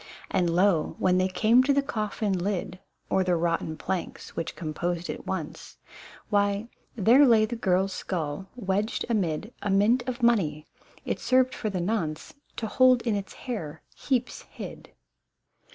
And lo, when they came to the coffin lid, Or rotten planks which composed it once, Why. there lay the girl's skull wedged amid A mint of money, it served for the nonce To hold in its hair heaps hid